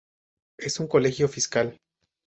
Es un colegio fiscal.